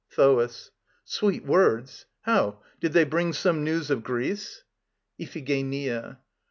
THOAS. Sweet words? How, did they bring some news of Greece? IPHIGENIA.